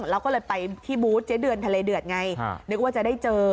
เราก็เลยไปที่บูธเจ๊เดือนทะเลเดือดไงนึกว่าจะได้เจอ